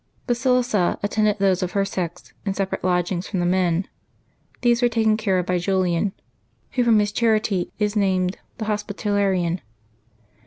Baf^^a a'ften4ed those of her sex, in separate lodgings from the men ; i;hese were taken care of by Julian, who from his charity is named the Hospitalarian.